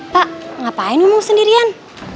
pak ngapain umum sendirian